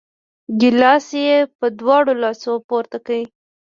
ګیلاس یې په دواړو لاسو پورته کړ!